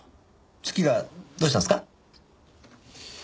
月がどうしたんですか？